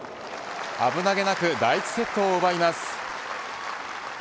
危なげなく第１セットを奪います。